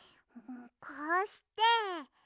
こうして。